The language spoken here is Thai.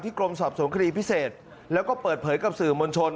กรมสอบสวนคดีพิเศษแล้วก็เปิดเผยกับสื่อมวลชน